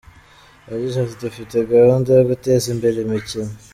Yagize ati “Dufite gahunda yo guteza imbere imikino.